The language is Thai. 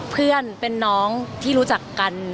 เพื่อนเป็นน้องที่รู้จักกัน